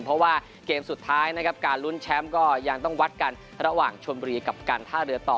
เพราะว่าเกมสุดท้ายนะครับการลุ้นแชมป์ก็ยังต้องวัดกันระหว่างชนบุรีกับการท่าเรือต่อ